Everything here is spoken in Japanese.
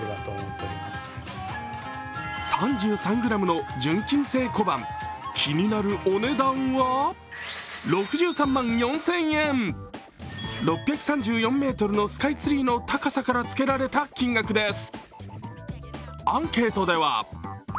３３ｇの純金製小判、気になるお値段は６３万４０００円、６３４ｍのスカイツリーの高さからつけられた金額です。